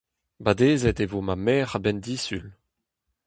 Badezet e vo ma merc'h a-benn Disul.